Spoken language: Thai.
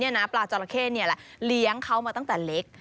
เดี๋ยวนี้ปลาจอลาเคะนี่ละเลี้ยงเขามาตั้งแต่เล็ก